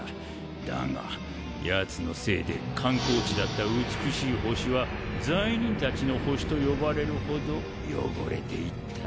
だがヤツのせいで観光地だった美しい星は罪人たちの星と呼ばれるほど汚れていった。